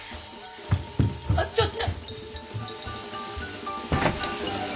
あっちょっと。